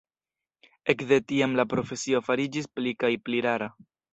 Ekde tiam la profesio fariĝis pli kaj pli rara.